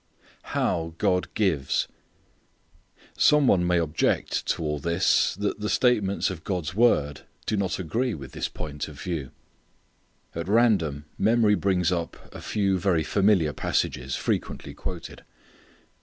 How God Gives. Some one may object to all this that the statements of God's word do not agree with this point of view. At random memory brings up a few very familiar passages, frequently quoted.